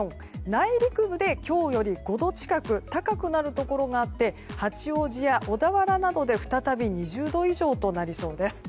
内陸部で今日より５度近く高くなるところがあって八王子や小田原などで再び２０度以上となりそうです。